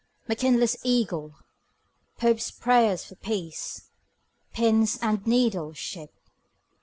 McKinley's eagle. Pope's prayers for peace. Pins and needles ship.